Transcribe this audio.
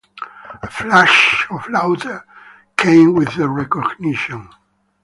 A flash of laughter came with the recognition.